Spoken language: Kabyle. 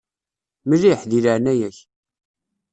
Mliḥ, di leɛnaya-k.